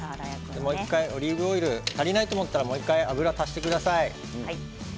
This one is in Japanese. オリーブオイル足りないと思ったらもう１回、油を足してください。